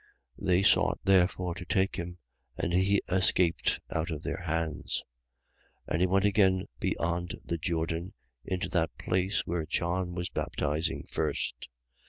10:39. They sought therefore to take him: and he escaped out of their hands. 10:40. And he went again beyond the Jordan, into that place where John was baptizing first.